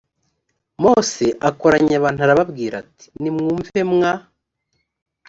mose akoranya abantu arababwira ati nimwumve mwa